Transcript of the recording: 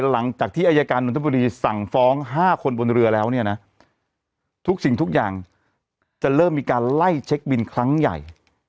หลังจากที่อายการนทบุรีสั่งฟ้อง๕คนบนเรือแล้วเนี่ยนะทุกสิ่งทุกอย่างจะเริ่มมีการไล่เช็คบินครั้งใหญ่